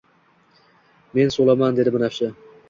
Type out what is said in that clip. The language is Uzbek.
Men so’laman dedi binafsha